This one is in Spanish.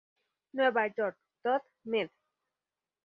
Nueva York: Dodd, Mead.